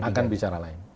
akan bicara lain